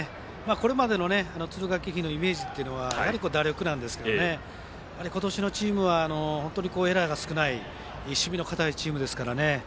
これまでの敦賀気比のイメージというのは打力なんですが今年のチームは本当にエラーが少ない守備の堅いチームなので。